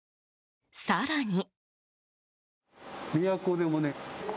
更に。